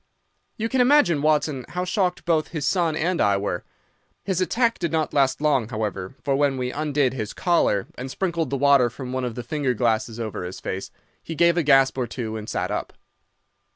"You can imagine, Watson, how shocked both his son and I were. His attack did not last long, however, for when we undid his collar, and sprinkled the water from one of the finger glasses over his face, he gave a gasp or two and sat up.